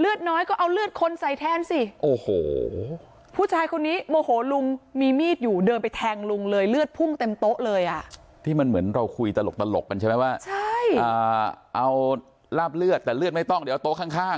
เอาราบเลือดแต่เลือดไม่ต้องเดี๋ยวเอาโต๊ะข้าง